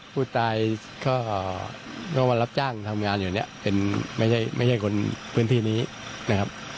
ผู้ตายก็มารับจ้างทำงานอยู่เนี่ยเป็นไม่ใช่คนพื้นที่นี้นะครับ